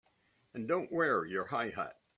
And don't wear your high hat!